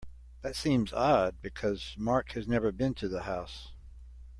That seems odd because Mark has never been to the house.